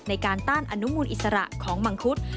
ต้านอนุมูลอิสระของมังคุด